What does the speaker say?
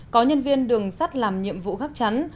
có nhân viên đường sắt làm nhiệm vụ gác chắn